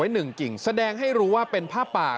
หนึ่งกิ่งแสดงให้รู้ว่าเป็นผ้าป่า